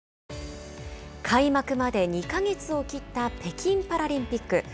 開幕まで２か月を切った北京パラリンピック。